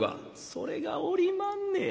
「それがおりまんねや。